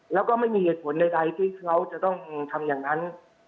แล้วก็ไม่มีเหตุผลใดที่เขาจะต้องทำอย่างนั้น